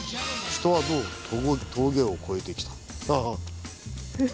「人はどう“峠”を越えてきた？」。